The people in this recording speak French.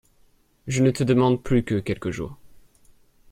Je ne te demande plus que quelques jours.